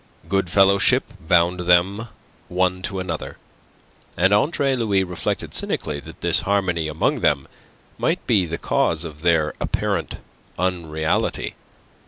Good fellowship bound them one to another; and Andre Louis reflected cynically that this harmony amongst them might be the cause of their apparent unreality.